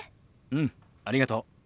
うんありがとう。